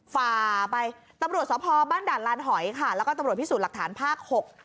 ฝ่าไปตำรวจสภบ้านด่านลานหอยค่ะแล้วก็ตำรวจพิสูจน์หลักฐานภาคหก